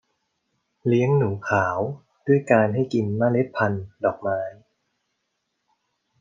เลี้ยงหนูขาวด้วยการให้กินเมล็ดพันธ์ดอกไม้